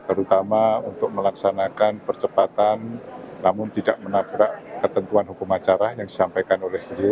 terutama untuk melaksanakan percepatan namun tidak menabrak ketentuan hukum acara yang disampaikan oleh beliau